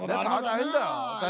大変だよ。